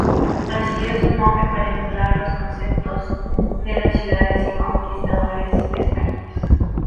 Recibió su nombre para emular los nombres de las ciudades y conquistadores españoles.